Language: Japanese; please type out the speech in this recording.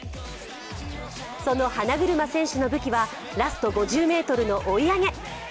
その花車選手の武器はラスト５０ｍの追い上げ。